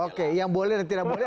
oke yang boleh dan tidak boleh